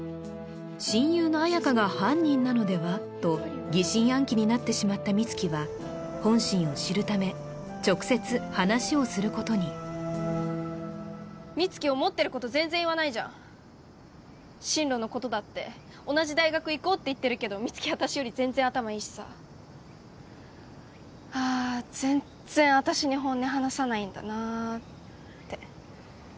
親友の彩花が犯人なのではと疑心暗鬼になってしまった美月は本心を知るため直接話をすることに美月思ってること全然言わないじゃん進路のことだって同じ大学行こうって言ってるけど美月は私より全然頭いいしさあ全然私に本音話さないんだなあって